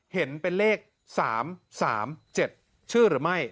เห็นเป็นเลข๓๓๗ชื่อหรือไม่